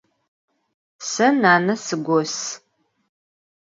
Se nane sıgos.